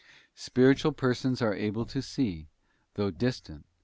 Spiritual persons are able to see, though distant, what * Prov.